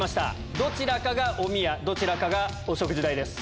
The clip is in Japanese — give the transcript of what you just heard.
どちらかがおみやどちらかがお食事代です。